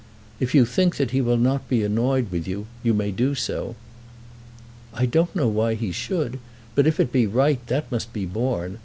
"If you think that he will not be annoyed with you, you may do so." "I don't know why he should, but if it be right, that must be borne.